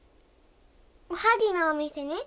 おはぎのお店に？